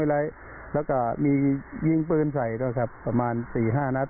แล้วก็มียิงปืนใส่ด้วยครับประมาณ๔๕นัด